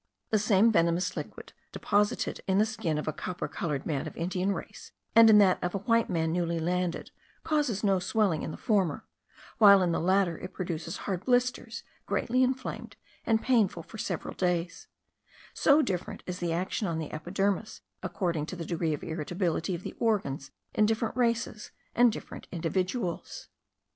The same venomous liquid, deposited in the skin of a copper coloured man of Indian race, and in that of a white man newly landed, causes no swelling in the former, while in the latter it produces hard blisters, greatly inflamed, and painful for several days; so different is the action on the epidermis, according to the degree of irritability of the organs in different races and different individuals!